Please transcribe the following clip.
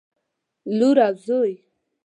لور او زوى